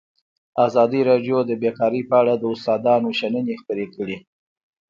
ازادي راډیو د بیکاري په اړه د استادانو شننې خپرې کړي.